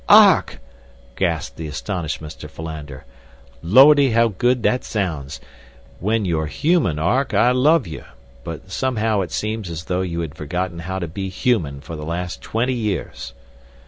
"Ark!" gasped the astonished Mr. Philander. "Lordy, how good that sounds! When you're human, Ark, I love you; but somehow it seems as though you had forgotten how to be human for the last twenty years."